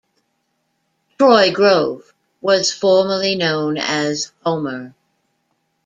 Troy Grove was formerly known as Homer.